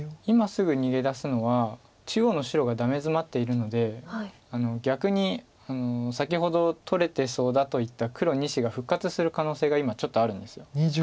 今すぐ逃げ出すのは中央の白がダメヅマっているので逆に先ほど取れてそうだと言った黒２子が復活する可能性が今ちょっとあるんです。